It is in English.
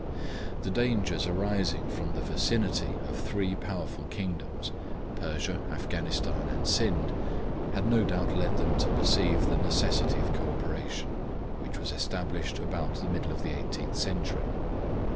The dangers arising from the vicinity of three powerful kingdoms, Persia, Afghanistan, and Scinde, had no doubt led them to perceive the necessity of co operation, which was established about the middle of the eighteenth century.